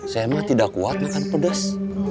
saya emang tidak kuat makan pedas